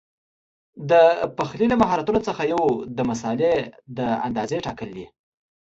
د پخلي له مهارتونو څخه یو د مسالې د اندازې ټاکل دي.